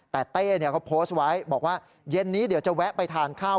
แต่เต้เขาโพสต์ไว้บอกว่าเย็นนี้เดี๋ยวจะแวะไปทานข้าว